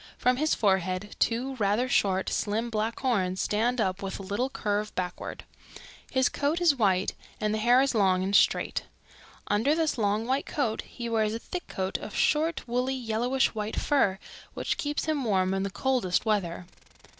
From his forehead two rather short, slim, black horns stand up with a little curve backward. His coat is white and the hair is long and straight. Under this long white coat he wears a thick coat of short, woolly, yellowish white fur which keeps him warm in the coldest weather.